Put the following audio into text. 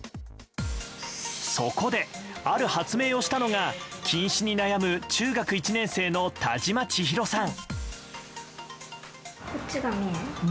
そこで、ある発明をしたのが近視に悩む中学１年生の田島ちひろさん。